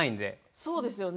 そうですよね。